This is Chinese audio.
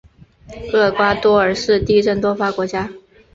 厄瓜多尔是地震多发国家。